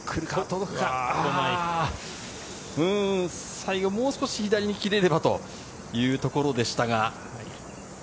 最後、もう少し左に切れればというところでしたが。